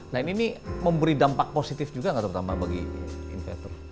nah ini memberi dampak positif juga nggak terutama bagi investor